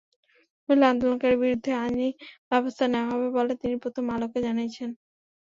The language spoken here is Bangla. নইলে আন্দোলনকারীদের বিরুদ্ধে আইনি ব্যবস্থা নেওয়া হবে বলে তিনি প্রথম আলোকে জানিয়েছেন।